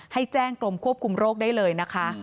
ให้แจ้งกรมควบคุมโรคได้เลยนะคะ